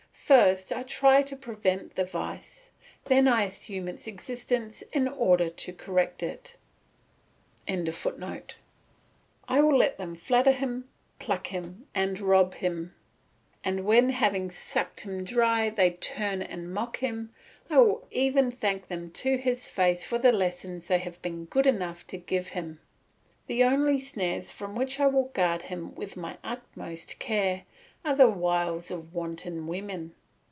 First I try to prevent the vice; then I assume its existence in order to correct it.] I will let them flatter him, pluck him, and rob him; and when having sucked him dry they turn and mock him, I will even thank them to his face for the lessons they have been good enough to give him. The only snares from which I will guard him with my utmost care are the wiles of wanton women.